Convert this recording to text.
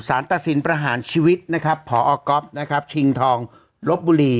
สารตัดสินประหารชีวิตนะครับพอก๊อฟนะครับชิงทองลบบุรี